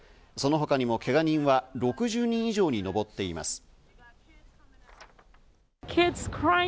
その他にもけが人は６０人以上に上っています。